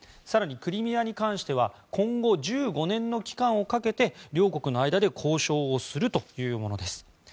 更にクリミアに関しては今後１５年の期間をかけて両国の間で交渉をするというものです。